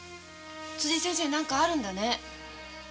辻先生に何かあるんだね！？